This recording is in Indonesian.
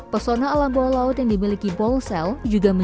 pesona alam bawah laut yang dimiliki ball cell